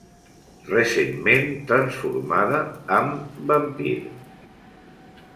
Recentment transformada amb vampir.